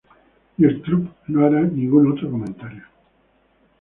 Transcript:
Y el club no hará ningún otro comentario".